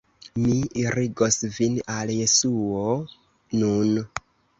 Mi irigos vin al Jesuo nun.